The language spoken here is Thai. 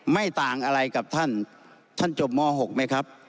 ไม่ต่างอะไรกับท่านท่านจบม๖ไหมครับ